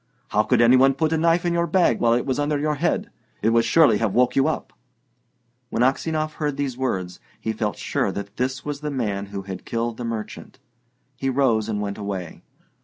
How could any one put a knife into your bag while it was under your head? It would surely have woke you up." When Aksionov heard these words, he felt sure this was the man who had killed the merchant. He rose and went away.